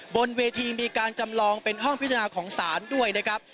บนเวทีมีการจำลองเป็นห้องพิจารณาของศาลด้วยนะครับ